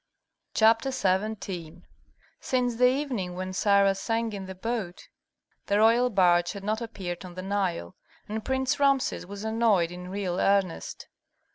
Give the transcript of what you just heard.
CHAPTER XVII Since the evening when Sarah sang in the boat, the royal barge had not appeared on the Nile, and Prince Rameses was annoyed in real earnest.